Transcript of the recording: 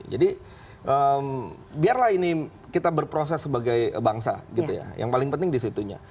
jadi biarlah ini kita berproses sebagai bangsa gitu ya yang paling penting di situnya